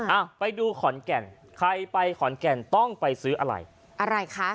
อ่ะไปดูขอนแก่นใครไปขอนแก่นต้องไปซื้ออะไรอะไรคะ